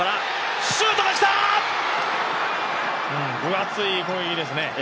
分厚い攻撃ですね。